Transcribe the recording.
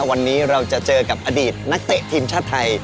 วันนี้เราจะเจอกับอดีตนักเตะทีมชาติไทย